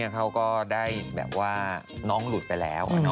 เขาก็ได้แบบว่าน้องหลุดไปแล้ว